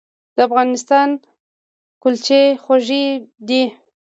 د افغانستان کلچې خوږې دي